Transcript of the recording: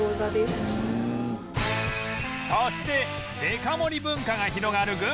そしてデカ盛り文化が広がる